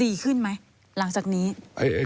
ดีขึ้นไหมหลังจากนี้